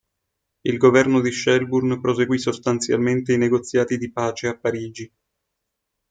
Il governo di Shelburne proseguì sostanzialmente i negoziati di pace a Parigi.